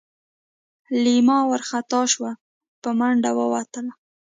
لېلما وارخطا شوه په منډه ووتله.